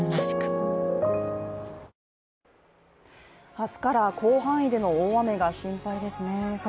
明日から広範囲での大雨が心配ですね。